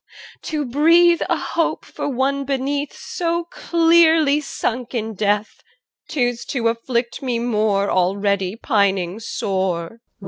EL. To breathe A hope for one beneath So clearly sunk in death, 'Tis to afflict me more Already pining sore.